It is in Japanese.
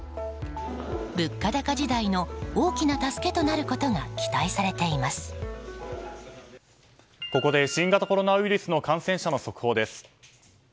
物価高時代の大きな助けとなることがここで新型コロナウイルスの感染者の速報です。